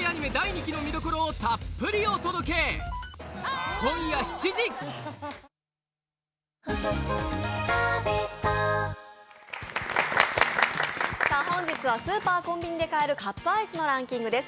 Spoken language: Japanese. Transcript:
シミの原因に根本アプローチ本日はスーパーコンビニで買えるカップアイスのランキングです。